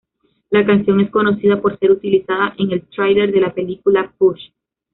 La canción es conocida por ser utilizada en el trailer de la película "Push".